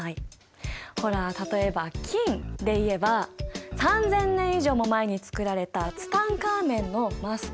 ほら例えば金でいえば３，０００年以上も前に作られたツタンカーメンのマスク。